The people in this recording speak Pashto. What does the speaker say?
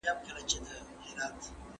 که سټپلر وي نو پاڼې نه پاشل کیږي.